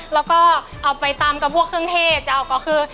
แล้วก็เอาไปตำกับพวกเครื่องเทศจะเอาก็คือ